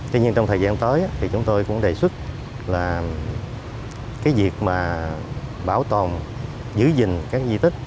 tuy nhiên trong thời gian tới thì chúng tôi cũng đề xuất là cái việc mà bảo tồn giữ gìn các di tích